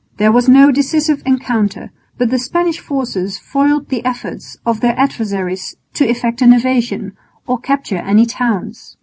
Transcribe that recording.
There was no decisive encounter, but the Spanish forces foiled the efforts of their adversaries to effect an invasion or capture any towns.